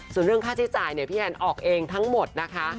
ส่วนเรื่องค่าใช้จ่ายเนี่ยพี่แอนออกเองทั้งหมดนะคะ